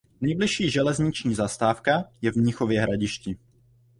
Nejbližší železniční zastávka je v Mnichově Hradišti.